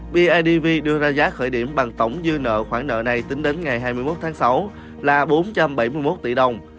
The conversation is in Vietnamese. bidv đưa ra giá khởi điểm bằng tổng dư nợ khoản nợ này tính đến ngày hai mươi một tháng sáu là bốn trăm bảy mươi một tỷ đồng